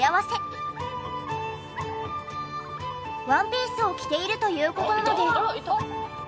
ワンピースを着ているという事なので。